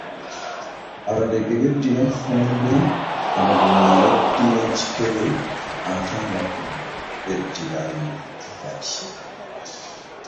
Abadege beddira Ffumbe, Abagonya beddira Kikere ate Abakoyo ne beddira Engabi.